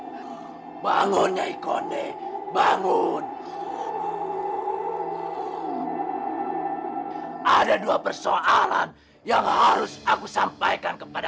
itu tidak hargau saja shalikya kondisi tersebut sticking finding bintang api yang righteous game berbeza hak merata juga yang prab what you talk yang beliau sudah tiada